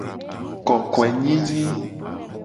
Kokoenyinyi.